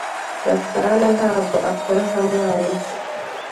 Gasana ntabwo akora nka mwarimu.